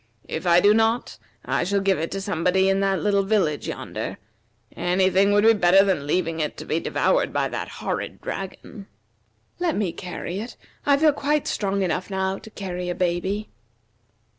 If I do not, I shall give it to somebody in that little village yonder. Any thing would be better than leaving it to be devoured by that horrid dragon." "Let me carry it. I feel quite strong enough now to carry a baby."